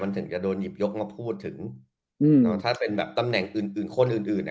มันถึงจะโดนหยิบยกมาพูดถึงอืมถ้าเป็นแบบตำแหน่งอื่นคนอื่นอื่นอ่ะ